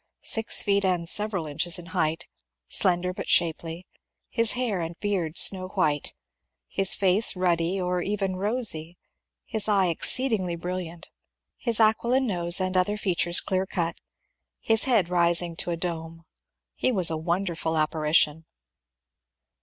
Six feet and several inches in height, slender but shapely, his hair and beard snow white, his face ruddy or even rosy, his eye ex ceedingly brilliant, his aquiline nose and other features clear cut, his head rising to a dome, he was a wonderful apparition.